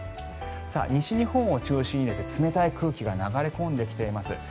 西日本を中心に冷たい空気が流れ込んできています。